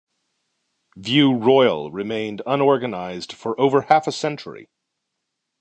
View Royal remained unorganized for over half a century.